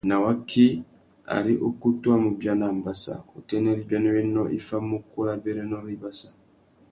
Nà waki, ari ukutu a mú biana ambassa, utênê râ ibianéwénô i famú ukú râ abérénô râ ibassa.